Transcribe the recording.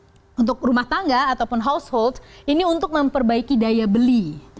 untuk rumah tangga ataupun household ini untuk memperbaiki daya beli